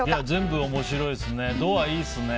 全部面白いですね。